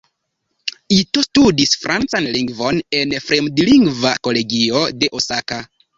Ito studis francan lingvon en fremdlingva kolegio de Osaka.